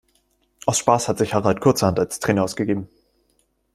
Aus Spaß hat sich Harald kurzerhand als Trainer ausgegeben.